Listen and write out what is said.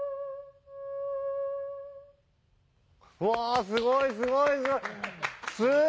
わぁすごいすごい！